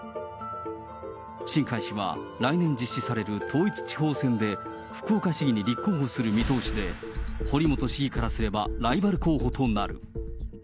新開氏は、来年実施される統一地方選で、福岡市議に立候補する見通しで、堀本市議からすれば、ライバル候補となる。